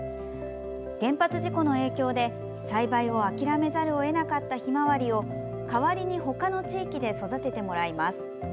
原発事故の影響で、栽培を諦めざるを得なかったひまわりを代わりにほかの地域で育ててもらいます。